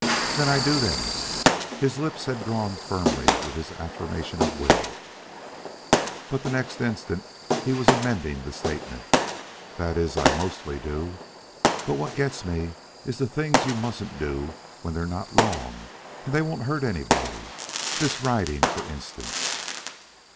"Then I do them." His lips had drawn firmly with this affirmation of will, but the next instant he was amending the statement "That is, I mostly do. But what gets me is the things you mustn't do when they're not wrong and they won't hurt anybody this riding, for instance."